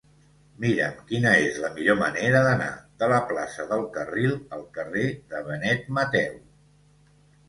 Mira'm quina és la millor manera d'anar de la plaça del Carril al carrer de Benet Mateu.